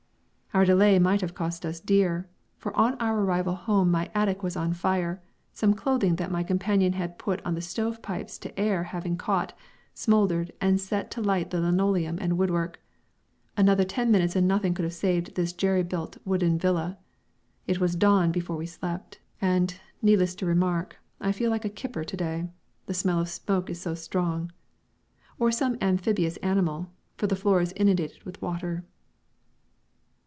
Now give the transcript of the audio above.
Our delay might have cost us dear, for on our arrival home my attic was on fire, some clothing that my companion had put on the stove pipes to air having caught, smouldered, and set light to linoleum and woodwork. Another ten minutes and nothing could have saved this jerry built wooden villa. It was dawn before we slept, and, needless to remark, I feel like a kipper to day, the smell of the smoke is so strong; or some amphibious animal, for the floor is inundated with water.